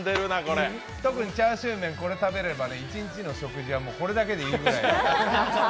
特にチャーシューめんを食べれば一日の食事はこれだけでいいぐらい。